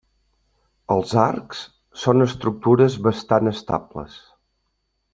Els arcs són estructures bastant estables.